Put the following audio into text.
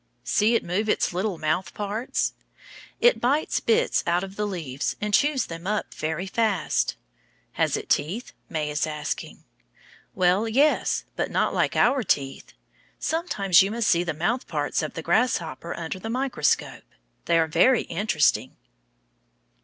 See it move its little mouth parts. It bites bits out of the leaves and chews them up very fast. Has it teeth? May is asking. Well, yes, but not like our teeth. Sometime you must see the mouth parts of the grasshopper under the microscope. They are very interesting.